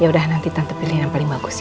yaudah nanti tante pilihin yang paling bagus ya